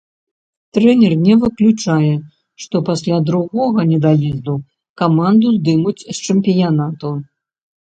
Трэнер не выключае, што пасля другога недаезду каманду здымуць з чэмпіянату.